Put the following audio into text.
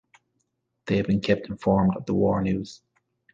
They had been kept informed of the war news.